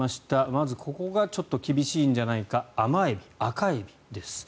まずここがちょっと厳しいんじゃないか甘エビ、アカエビです。